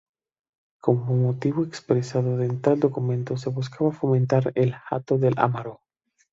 Como motivo expresado en tal documento se buscaba fomentar el Hato de Amaro.